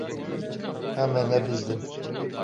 Em ê nebizdin.